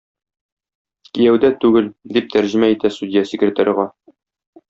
Кияүдә түгел, - дип “тәрҗемә итә” судья секретарьга.